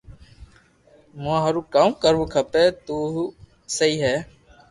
مون ھارو ڪاو ڪروھ کپي تو ھون سھي ھي